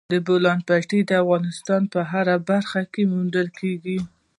د بولان پټي د افغانستان په هره برخه کې موندل کېږي.